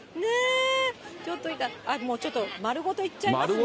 ちょっと丸ごといっちゃいますね。